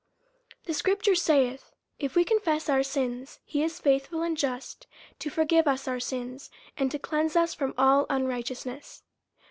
The Scrip ture saith. If we confess our sins, he is faithful and just to for give us our sins, and to cleanse us from all unrighteousness.